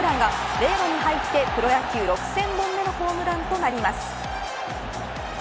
令和に入ってプロ野球６０００本目のホームランとなります。